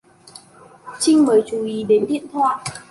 Chinh mới chú ý đến điện thoại